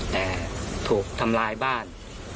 แต่ถูกทำร้ายบ้าน